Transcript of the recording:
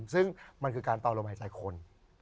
ซึ่งมันคือการต่อลมหายใจคน